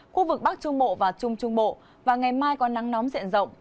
khu vực bắc trung bộ và trung trung bộ và ngày mai có nắng nóng diện rộng